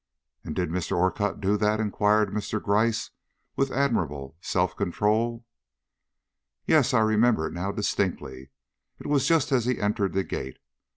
"And did Mr. Orcutt do that?" inquired Mr. Gryce, with admirable self control. "Yes, I remember it now distinctly. It was just as he entered the gate.